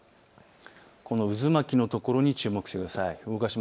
この渦巻きのところに注目してください。